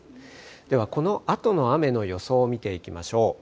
ではこのあとの雨の予想を見ていきましょう。